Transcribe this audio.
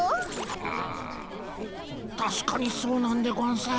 うんたしかにそうなんでゴンス。